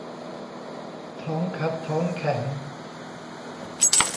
ท้องคัดท้องแข็ง